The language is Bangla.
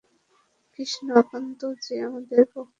কৃষ্ণকান্তজি, আমাদের পক্ষ থেকে, হ্যাঁঁ।